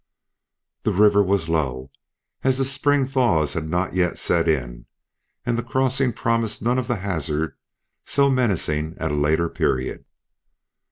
The river was low, as the spring thaws had not yet set in, and the crossing promised none of the hazard so menacing at a later period.